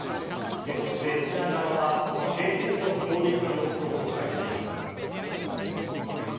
そして、ロシア側はこの製鉄所の攻撃の様子を公開しています。